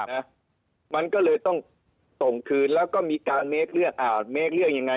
เเตอร์มันก็เลยต้องส่งคืนแล้วก็มีการเลือก